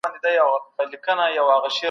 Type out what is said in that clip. د فولکلور هره تراژیدي مې غریو نیسي.